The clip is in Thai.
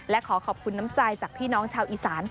และขอขอบคุณน้ำใจจากพี่น้องชาวอีสาน